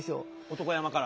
男山から？